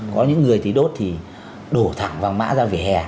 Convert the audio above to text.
có những người thì đốt thì đổ thẳng vào mã ra về hè